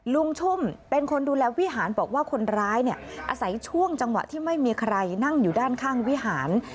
ชุ่มเป็นคนดูแลวิหารบอกว่าคนร้ายเนี่ยอาศัยช่วงจังหวะที่ไม่มีใครนั่งอยู่ด้านข้างวิหาร